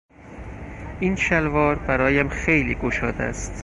این شلوار برایم خیلی گشاد است.